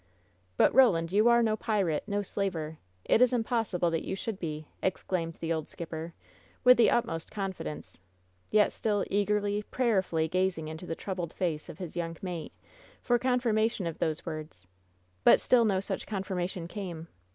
"But, Roland, you are no pirate — ^no slaver. It is im possible that you should be !" exclaimed the old skipper with the utmost confidence, yet still eagerly, prayer fully gazing into the troubled face of his young mate for confirmation of those words. But still no such confirmation came.